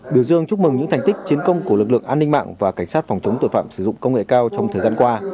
biểu dương chúc mừng những thành tích chiến công của lực lượng an ninh mạng và cảnh sát phòng chống tội phạm sử dụng công nghệ cao trong thời gian qua